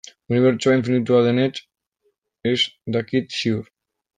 Unibertsoa infinitua denetz ez dakit ziur.